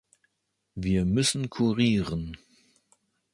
Wir müssen kurieren.